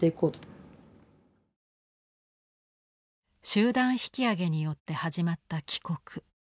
集団引き揚げによって始まった帰国。